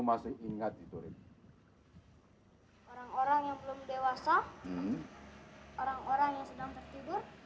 masih ingat itu orang orang yang belum dewasa orang orang yang sedang tertidur